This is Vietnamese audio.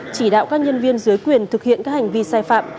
chỉ đạo các nhân viên dưới quyền thực hiện các hành vi sai phạm